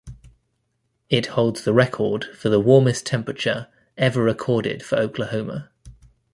It holds the record for the warmest temperature ever recorded for Oklahoma.